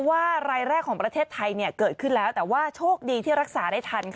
รายแรกของประเทศไทยเนี่ยเกิดขึ้นแล้วแต่ว่าโชครขาดรักษาได้ทัน